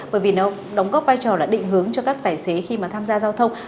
bởi vì nó đóng góp vai trò là định hướng cho các tài xế khi mà tham gia giao thông